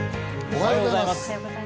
おはようございます。